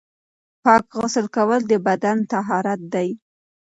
پاک غسل کول د بدن طهارت دی.